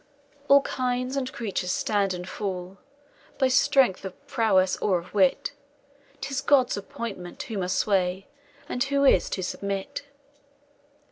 "All kinds and creatures stand and fall By strength of prowess or of wit; 'Tis God's appointment who must sway, And who is to submit.